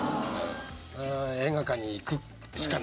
映画館に行くしかないわけ。